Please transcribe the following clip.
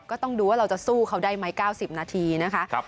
ก็ต้องดูว่าเราจะสู้เขาได้ไหม๙๐นาทีนะคะ